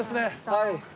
はい。